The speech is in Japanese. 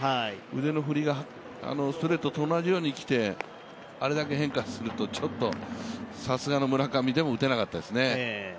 腕の振りがストレートと同じように来てあれだけ変化するとさすがの村上でも打てなかったですね。